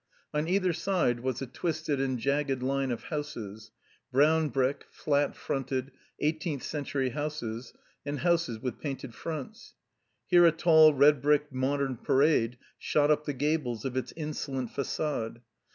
On either side was a twisted and jagged line of houses — ^brown brick, flat fronted, eighteenth century houses, and houses with painted fronts. Here a tall, red brick modem Parade shot up the gables of its insolent fagade.